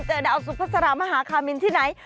ดาวสุภาษามหาคามินที่ไหน